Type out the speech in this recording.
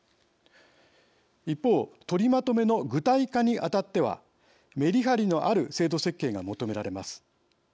一方、とりまとめの具体化にあたってはメリハリのある制度設計が求められます。